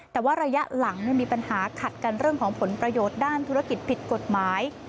แต่ว่าระยะหลังมีปัญหาขัดกันเรื่องของผลประโยชน์ด้านธุรกิจผิดกฎหมาย